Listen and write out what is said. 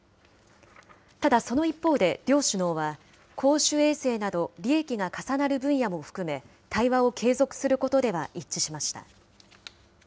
ただ、その一方で両首脳は、公衆衛生など、利益が重なる分野も含め、対話を継続することでは一致しました。